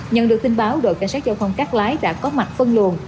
nhận được tin báo đội cảnh sát giao thông cát lái đã có mặt phân luồn